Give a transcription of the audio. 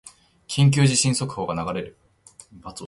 緊急地震速報が流れる